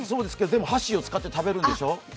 でも箸を使って食べるんでしょ？